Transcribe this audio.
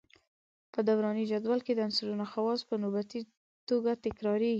په دوراني جدول کې د عنصرونو خواص په نوبتي توګه تکراریږي.